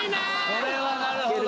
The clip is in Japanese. これはなるほど。